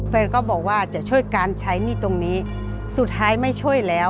แฟนก็บอกว่าจะช่วยการใช้หนี้ตรงนี้สุดท้ายไม่ช่วยแล้ว